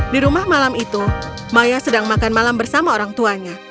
di rumah malam itu maya sedang makan malam bersama orang tuanya